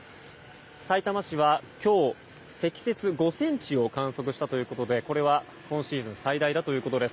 さいたま市は今日、積雪５ｃｍを観測したということでこれは今シーズン最大だということです。